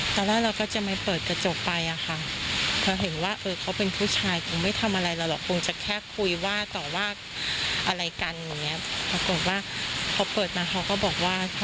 ต่อยเลยเรายำรับว่าเราก็ผิดนะคะ